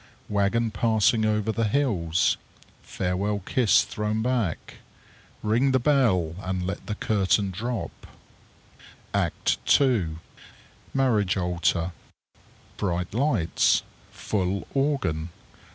Wagon passing over the hills. Farewell kiss thrown back. Ring the bell and let the curtain drop_. ACT II. _Marriage altar. Bright lights. Full organ.